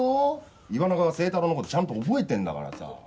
岩永は星太郎の事ちゃんと覚えてんだからさ。